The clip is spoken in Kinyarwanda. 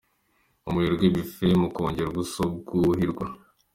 Umuherwe Buffet mu kongera ubuso bwuhirwa….